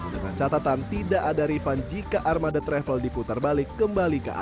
dengan catatan tidak ada refund jika armada travel diputar balik kembali ke arah